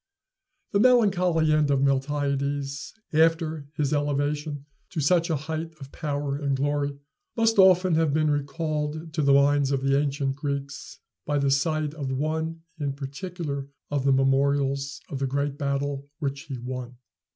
The melancholy end of Miltiades, after his elevation to such a height of power and glory, must often have been recalled to the minds of the ancient Greeks by the sight of one in particular of the memorials of the great battle which he won.